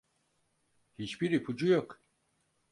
Hiçbir ipucu yok.